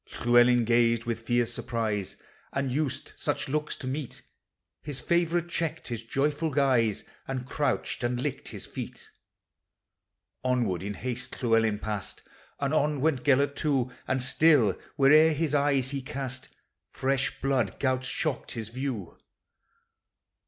Llewellyn gazed with fierce surprise; Unused such looks to meet, His favorite cheeked his joyful guise, And crouched, and licked his feet 362 POEMS OF NATURE. Onward, in haste, Llewellyn passed, And on went Gelert too; And still, where'er his eyes he cast, Fresh blood gouts shocked his view.